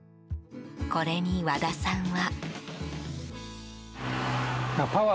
これに、和田さんは。